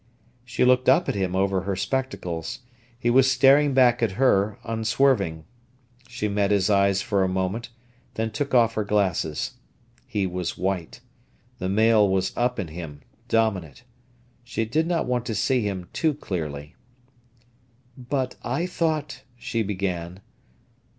She looked up at him over her spectacles. He was staring back at her, unswerving. She met his eyes for a moment, then took off her glasses. He was white. The male was up in him, dominant. She did not want to see him too clearly. "But I thought—" she began.